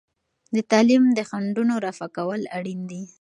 د تعلیم د خنډونو رفع کول اړین دي.